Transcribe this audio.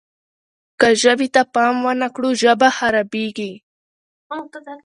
که ژبې ته پام ونه کړو ژبه خرابېږي.